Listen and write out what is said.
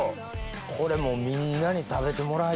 これもうみんなに食べてもらいたい。